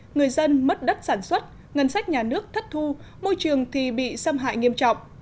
người dân mất đất sản xuất ngân sách nhà nước thất thu môi trường thì bị xâm hại nghiêm trọng